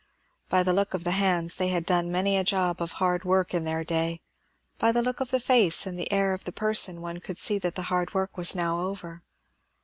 By the look of the hands they had done many a job of hard work in their day; by the look of the face and air of the person, one could see that the hard work was over.